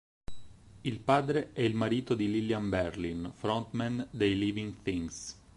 Il padre è il marito Lillian Berlin, frontman dei Living Things.